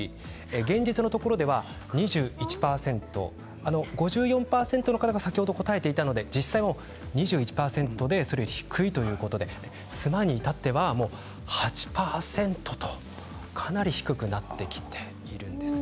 現実のところでは２１％５４％の方が先ほど答えていたので実際は２１％で、それより低いということで妻に至っては８％とかなり低くなってきているんです。